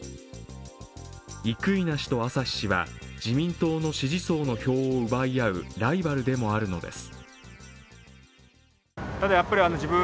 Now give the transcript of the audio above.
生稲氏と朝日氏は自民党の支持層の票を奪い合うライバルでもあるのです。